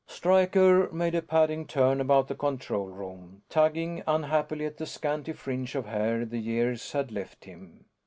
Stryker made a padding turn about the control room, tugging unhappily at the scanty fringe of hair the years had left him.